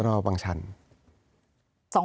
ศนบังชัน